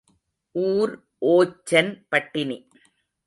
ஊர் ஓச்சன் பட்டினி.